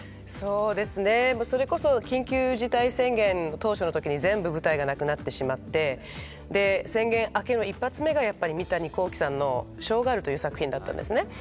それこそ緊急事態宣言当初のときに全部、舞台がなくなってしまって、宣言明けの一発目が三谷幸喜さんの「ショーガール」という作品だったんですね。